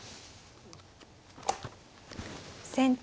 先手